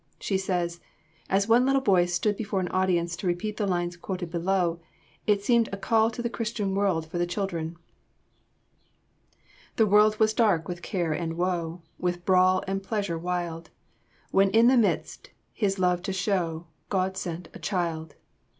She says, "As one little boy stood before an audience to repeat the lines quoted below, it seemed a call to the Christian world for the children: "The world was dark with care and woe, With brawl and pleasure wild; When in the midst, His love to show, God set a Child.